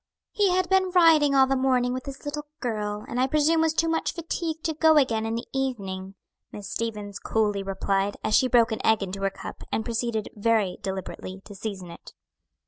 "He had been riding all the morning with his little girl, and I presume was too much fatigued to go again in the evening," Miss Stevens coolly replied, as she broke an egg into her cup, and proceeded very deliberately to season it.